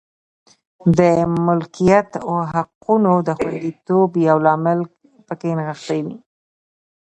د ملکیت حقونو د خوندیتوب یو لامل په کې نغښتې وې.